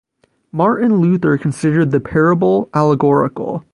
Martin Luther considered the parable allegorical.